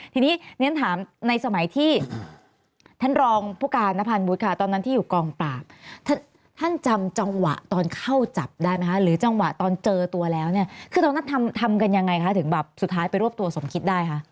ทีนี้เรียนถามในสมัยที่ท่านรองผู้การนพันธ์วุฒิค่ะตอนนั้นที่อยู่กองปราบท่านจำจังหวะตอนเข้าจับได้ไหมคะหรือจังหวะตอนเจอตัวแล้วเนี่ยคือตอนนั้นทำกันยังไงคะถึงแบบสุดท้ายไปรวบตัวสมคิดได้คะ